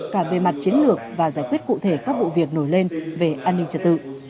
cả về mặt chiến lược và giải quyết cụ thể các vụ việc nổi lên về an ninh trật tự